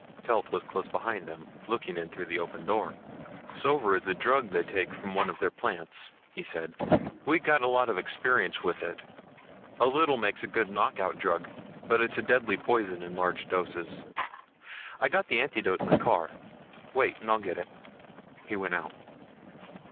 Telt was close behind them, looking in through the open door. "Sover is a drug they take from one of their plants," he said. "We got a lot of experience with it. A little makes a good knock out drug, but it's deadly poison in large doses. I got the antidote in the car; wait and I'll get it." He went out.